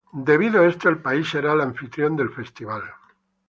Debido a esto, el país será el anfitrión del festival.